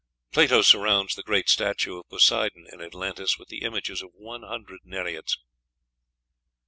Plato surrounds the great statue of Poseidon in Atlantis with the images of one hundred Nereids.